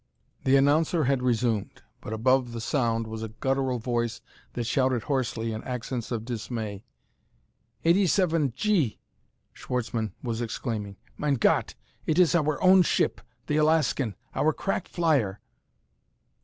The announcer had resumed, but above the sound was a guttural voice that shouted hoarsely in accents of dismay. "Eighty seven G!" Schwartzmann was exclaiming, " Mein Gott! It iss our own ship, the Alaskan! Our crack flyer!"